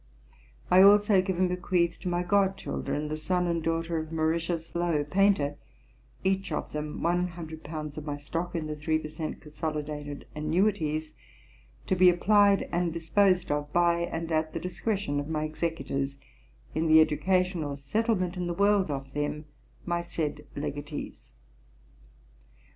I also give and bequeath to my god children, the son and daughter of Mauritius Lowe [F 3], painter, each of them, one hundred pounds of my stock in the three per cent, consolidated annuities, to be applied and disposed of by and at the discretion of my Executors, in the education or settlement in the world of them my said legatees.